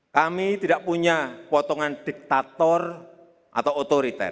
kami tidak punya potongan diktator atau otoriter